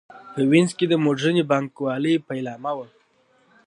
په وینز کې د موډرنې بانک والۍ پیلامه وه.